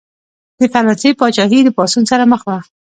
د فرانسې پاچاهي د پاڅون سره مخ وه.